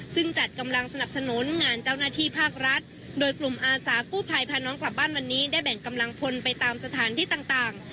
ซึ่งจัดกำลังสนับสนุนงานเจ้าหน้าที่ภาครัฐโดยกลุ่มอาสากู้ภัยพาน้องกลับบ้านวันนี้ได้แบ่งกำลังพลไปตามสถานที่ต่าง